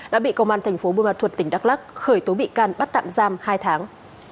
đã bị công an thành phố bùa ma thuật tỉnh đắk lắc khởi tố bị can bắt tạm giam hai tháng